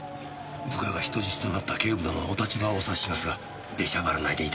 部下が人質となった警部殿のお立場はお察ししますが出しゃばらないでいただきたい。